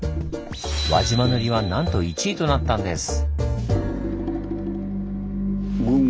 輪島塗はなんと１位となったんです。